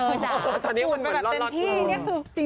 เออจ้ะฝูมย์มันเกิดเต็มที่